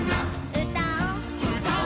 「うたお」うたお。